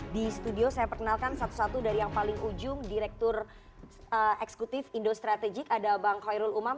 di studio saya perkenalkan satu satu dari yang paling ujung direktur eksekutif indo strategik ada bang khoirul umam